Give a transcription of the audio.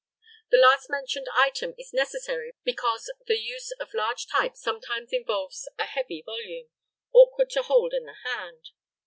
The last mentioned item is necessary because the use of large type sometimes involves a heavy volume, awkward to hold in the hand.